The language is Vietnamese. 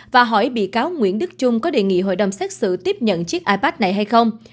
và hỏi bị cáo nguyễn đức trung có đề nghị hội đồng xét xử tiếp nhận chiếc ipad này hay không